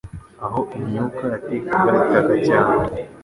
aho imyuka yatekaga itaka cyane